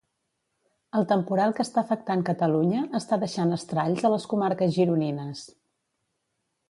El temporal que està afectant Catalunya està deixant estralls a les comarques gironines.